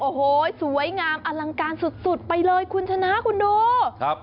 โอ้โหสวยงามอลังการสุดไปเลยคุณชนะคุณดูครับ